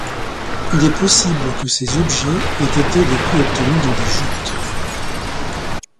Il est possible que ces objets aient été des prix obtenus dans des joutes.